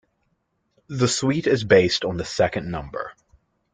The suite is based on the second number.